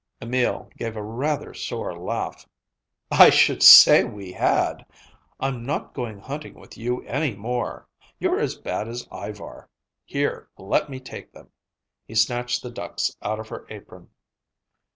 Emil gave a rather sore laugh. "I should say we had! I'm not going hunting with you any more. You're as bad as Ivar. Here, let me take them." He snatched the ducks out of her apron.